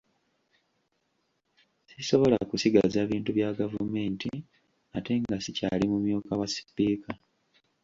Sisobola kusigaza bintu bya gavumenti ate nga sikyali mumyuka wa Sipiika.